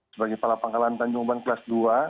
sebagai kepala pangkalan tanjung ban kelas dua